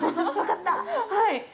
はい。